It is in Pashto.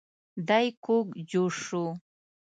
دی کوږ جوش شو.